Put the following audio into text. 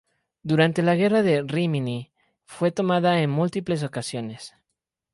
Durante la guerra Rímini fue tomada en múltiples ocasiones.